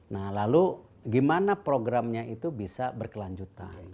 nah lalu gimana programnya itu bisa berkelanjutan